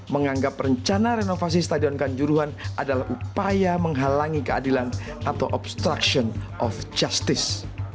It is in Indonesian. menganggap rencana renovasi stadion kanjuruhan adalah upaya menghalangi keadilan atau obstruction of justice